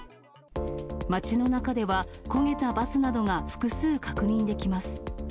街の中では、焦げたバスなどが複数確認できます。